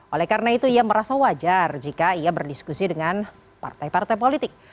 oleh karena itu ia merasa wajar jika ia berdiskusi dengan partai partai politik